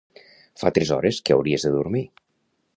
Fa tres hores que hauries de dormir.